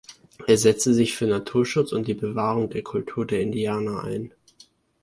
Er setzte sich für Naturschutz und die Bewahrung der Kultur der Indianer ein.